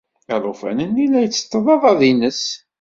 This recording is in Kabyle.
Alufan-nni la itteṭṭeḍ aḍad-nnes.